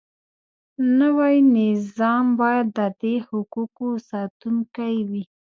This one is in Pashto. نوی نظام باید د دې حقوقو ساتونکی وي.